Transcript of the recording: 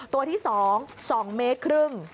ตัวที่สองสองเมตรครึ่ง